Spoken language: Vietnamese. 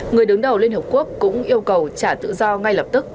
người đứng đầu liên hợp quốc cũng yêu cầu trả tự do ngay lập tức